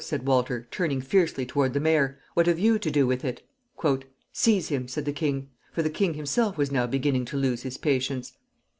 said Walter, turning fiercely toward the mayor. "What have you to do with it?" "Seize him!" said the king; for the king himself was now beginning to lose his patience.